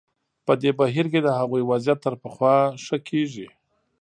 په دې بهیر کې د هغوی وضعیت تر پخوا ښه کېږي.